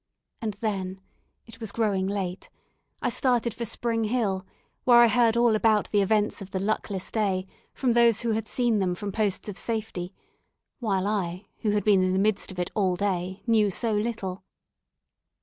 And then it was growing late I started for Spring Hill, where I heard all about the events of the luckless day from those who had seen them from posts of safety, while I, who had been in the midst of it all day, knew so little.